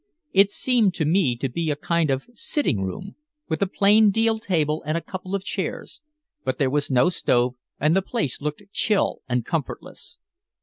It seemed to me to be a kind of sitting room, with a plain deal table and a couple of chairs, but there was no stove, and the place looked chill and comfortless.